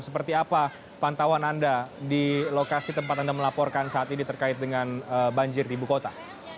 seperti apa pantauan anda di lokasi tempat anda melaporkan saat ini terkait dengan banjir di ibu kota